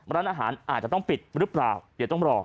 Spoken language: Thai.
ร้านอาหารอาจจะต้องปิดหรือเปล่าเดี๋ยวต้องรอ